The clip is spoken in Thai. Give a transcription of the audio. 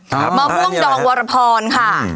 มะม่วงดองวรพรค่ะ